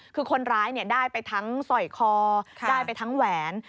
คือคนร้ายได้ไปทั้งสอยคอได้ไปทั้งแหวน